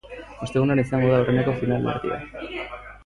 Ostegunean izango da aurreneko finalerdia.